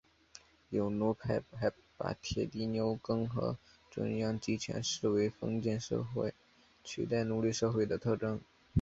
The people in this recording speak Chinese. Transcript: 有奴派还把铁犁牛耕和中央集权视为封建社会取代奴隶社会的特征。